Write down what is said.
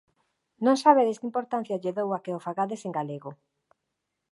Non sabedes que importancia lle dou a que o fagades en galego